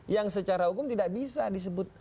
yang secara hukum tidak bisa disebut